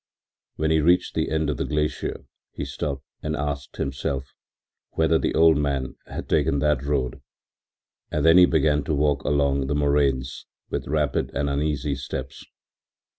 When he reached the end of the glacier he stopped and asked himself whether the old man had taken that road, and then he began to walk along the moraines with rapid and uneasy steps.